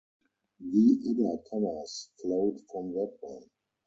The other covers flowed from that one.